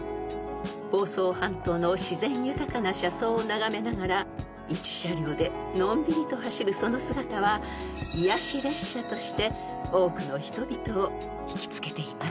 ［房総半島の自然豊かな車窓を眺めながら１車両でのんびりと走るその姿は癒やし列車として多くの人々を引き付けています］